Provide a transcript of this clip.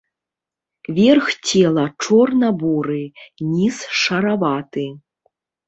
Верх цела чорна-буры, ніз шараваты.